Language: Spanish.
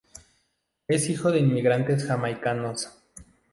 Es hijo de inmigrantes jamaicanos.